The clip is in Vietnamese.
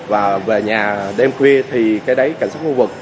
và về nhà đêm khuya thì cái đấy cảnh sát khu vực